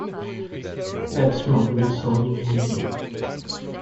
That's not really solving anything.